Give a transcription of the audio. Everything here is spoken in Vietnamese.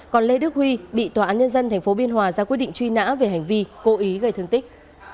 còn lê đức huy bị tòa án nhân dân tp biên hòa ra quyết định truy nã về hành vi cố ý gây thương tích